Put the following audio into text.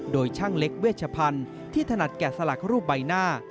โดยช่างเล็กเวชพันธุ์ที่ถนัดแก่สลักรูปใบหน้า